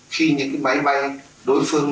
khi những cái máy bay đối phương